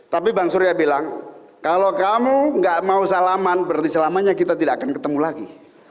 tapi bang surya bilang kalau kamu nggak mau salaman berarti selamanya kita tidak akan ketemu lagi